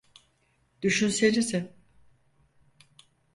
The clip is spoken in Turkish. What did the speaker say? Düşünsenize.